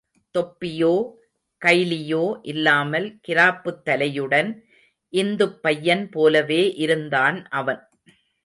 தொப்பியோ, கைலியோ இல்லாமல், கிராப்புத் தலையுடன் இந்துப் பையன் போலவே இருந்தான் அவன்.